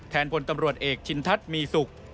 แทนผลกำรวจเอกชินทัศน์มีศุกร์